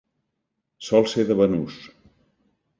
Sol ser de banús.